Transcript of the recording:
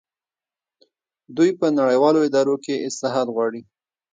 دوی په نړیوالو ادارو کې اصلاحات غواړي.